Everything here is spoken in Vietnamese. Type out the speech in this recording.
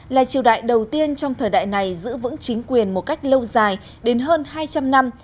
là triều đại đầu tiên trong thời đại này giữ vững chính quyền một cách lâu dài đến hơn hai trăm linh năm